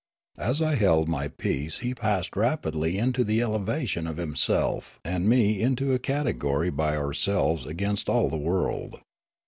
As I held my peace he passed rapidly into the elevation of himself and me into a categor}^ by ourselves against all the world.